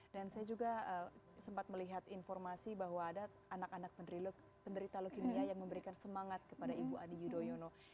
dan saya juga sempat melihat informasi bahwa ada anak anak penderita leukemia yang memberikan semangat kepada ibu adi yudhoyono